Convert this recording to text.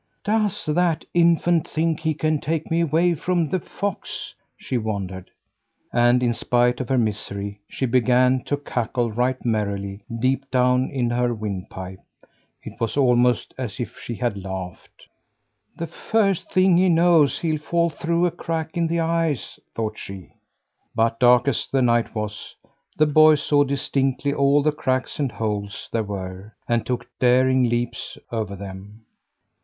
"Does that infant think he can take me away from the fox?" she wondered. And in spite of her misery, she began to cackle right merrily, deep down in her windpipe. It was almost as if she had laughed. "The first thing he knows, he'll fall through a crack in the ice," thought she. But dark as the night was, the boy saw distinctly all the cracks and holes there were, and took daring leaps over them.